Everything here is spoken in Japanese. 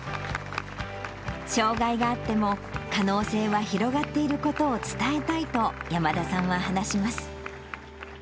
障がいがあっても、可能性は広がっていることを伝えたいと、山田さんは話します。